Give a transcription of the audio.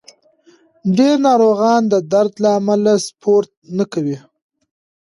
ډېر ناروغان د درد له امله سپورت نه کوي.